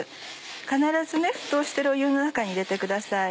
必ず沸騰している湯の中に入れてください。